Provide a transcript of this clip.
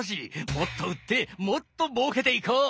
もっと売ってもっともうけていこう！